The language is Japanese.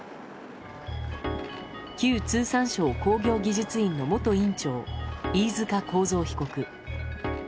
旧通産省工業技術院の元院長飯塚幸三被告。